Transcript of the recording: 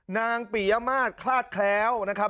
นางปริยมาศคลาดแคล้วนะครับ